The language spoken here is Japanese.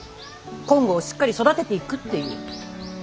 金剛をしっかり育てていくっていう。